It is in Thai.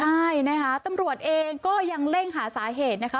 ใช่นะคะตำรวจเองก็ยังเร่งหาสาเหตุนะคะ